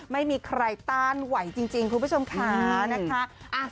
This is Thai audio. ไม่มีใครต้านไหวจริงคุณผู้ชมค่ะนะคะ